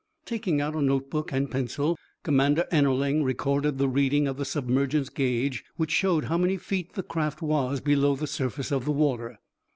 Taking out a notebook and pencil, Commander Ennerling recorded the reading of the submergence gauge, which showed how many feet the craft was below the surface of the water.